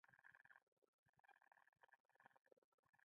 چې اقلیمي بدلونونو او وچکالۍ سخت ځپلی.